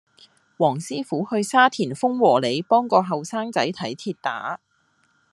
黃師傅去沙田豐禾里幫個後生仔睇跌打